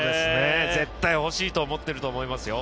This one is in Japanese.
絶対欲しいと思ってると思いますよ。